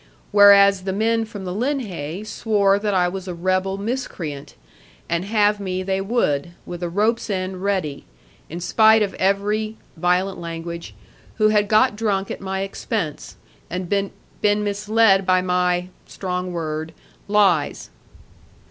Whereas the men from the linhay swore that I was a rebel miscreant; and have me they would, with a rope's end ready, in spite of every [violent language] who had got drunk at my expense, and been misled by my [strong word] lies.